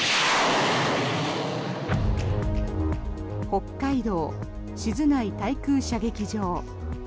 北海道・静内対空射撃場。